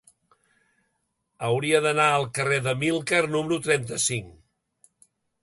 Hauria d'anar al carrer d'Amílcar número trenta-cinc.